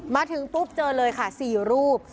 มาถึงปุ๊บเจอเลยค่ะ๔รูป